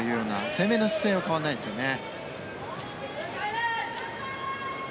攻めの姿勢は変わらないんですよね。